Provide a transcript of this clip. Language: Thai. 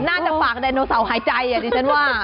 น่าจะฝากดันโนเสาร์ภาคหายใจดิฉันว่า